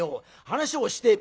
話をして。